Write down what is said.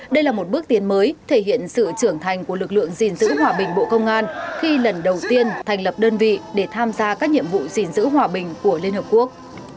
đây là một bước tiến mới thể hiện sự trưởng thành của lực lượng gìn giữ hòa bình bộ công an khi lần đầu tiên thành lập đơn vị để tham gia các nhiệm vụ gìn giữ hòa bình của liên hợp quốc